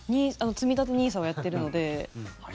つみたてＮＩＳＡはやってるので、はい。